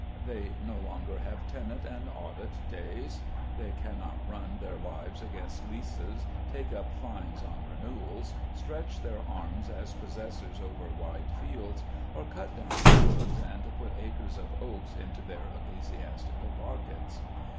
They no longer have tenant and audit days. They cannot run their lives against leases, take up fines on renewals, stretch their arms as possessors over wide fields, or cut down woods and put acres of oaks into their ecclesiastical pockets.